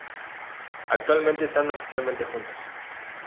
Actualmente están oficialmente juntos.